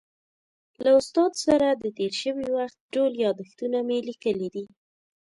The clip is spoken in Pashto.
له استاد سره د تېر شوي وخت ټول یادښتونه مې لیکلي دي.